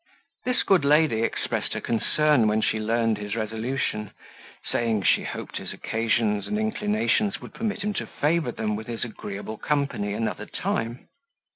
This good lady expressed her concern when she learned his resolution, saying, she hoped his occasions and inclinations would permit him to favour them with his agreeable company another time.